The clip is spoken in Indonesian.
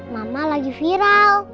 mama lagi viral